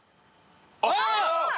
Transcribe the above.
あっ！